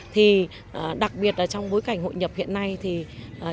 thì đặc biệt là trong bối cảnh hội nhập hiện nay departure distance hardship study